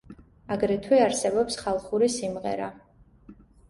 აგრეთვე არსებობს ხალხური სიმღერა.